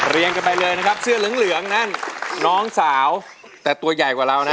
กันไปเลยนะครับเสื้อเหลืองเหลืองนั่นน้องสาวแต่ตัวใหญ่กว่าเรานะ